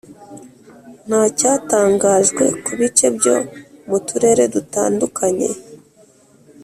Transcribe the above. ntacyatangajwe ku bice byo mu turere dutandukanye